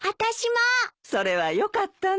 それはよかったね。